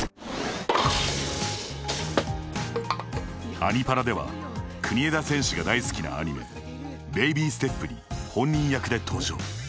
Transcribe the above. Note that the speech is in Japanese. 「アニ×パラ」では国枝選手が大好きなアニメ「ベイビーステップ」に本人役で登場。